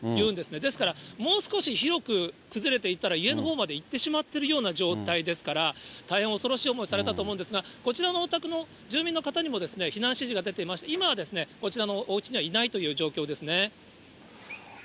ですから、もう少し広く崩れていたら、家のほうまでいってしまっていたような状態ですから、大変恐ろしい思いされたと思うんですが、こちらのお宅の住民の方にも避難指示が出ていまして、今はですね、こちらのおうちにはいないという状況ですね。